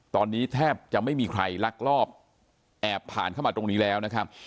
ตอนนี้แทบจะไม่มีใครลักลอบแอบผ่านเข้ามาตรงนี้แล้วนะครับ